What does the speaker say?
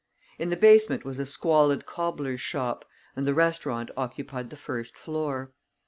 In the basement was a squalid cobbler's shop, and the restaurant occupied the first floor.